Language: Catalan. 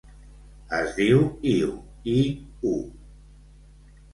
Es diu Iu: i, u.